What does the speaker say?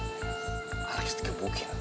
dan omanya alex tuh khawatir banget